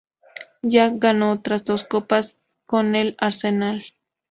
Jack ganó otras dos copas con el Arsenal.